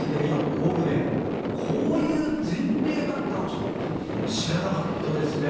僕ね、こういう前例があったのちょっと知らなかったですね。